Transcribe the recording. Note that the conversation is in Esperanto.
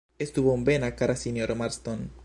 Estu bonvena, kara sinjoro Marston!